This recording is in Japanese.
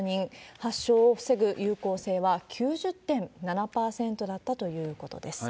発症を防ぐ有効性は９０．７％だったということです。